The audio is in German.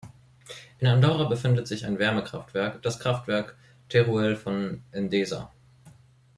In Andorra befindet sich ein Wärmekraftwerk, das Kraftwerk Teruel von Endesa.